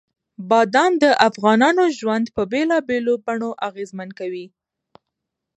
بادام د افغانانو ژوند په بېلابېلو بڼو اغېزمن کوي.